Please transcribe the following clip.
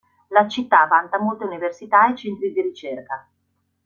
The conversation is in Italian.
La città vanta molte università e centri di ricerca.